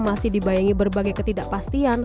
masih dibayangi berbagai ketidakpastian